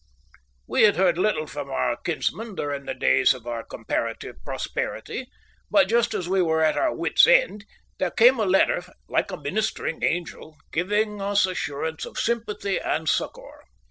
We had heard little from our kinsman during the days of our comparative prosperity, but just as we were at our wit's end, there came a letter like a ministering angel, giving us assurance of sympathy and succour.